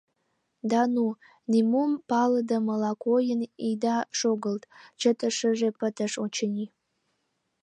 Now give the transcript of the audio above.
— Да ну, нимом палыдымыла койын ида шогылт, — чытышыже пытыш, очыни.